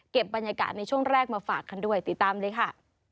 บรรยากาศในช่วงแรกมาฝากกันด้วยติดตามเลยค่ะ